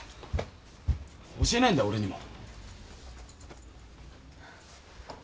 教えないんだ俺にも。